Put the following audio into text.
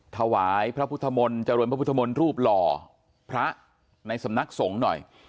ถวายพระพุทธมนต์เจริญพระพุทธมนต์รูปหล่อพระในสำนักสงฆ์หน่อย